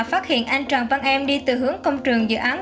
phát hiện anh trần văn em đi từ hướng công trường dự án